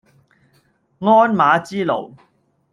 鞍馬之勞